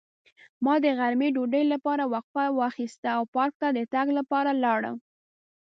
ما د غرمې ډوډۍ لپاره وقفه واخیسته او پارک ته د تګ لپاره لاړم.